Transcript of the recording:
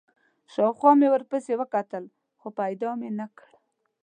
شاوخوا مې ورپسې وکتل، خو پیدا مې نه کړ.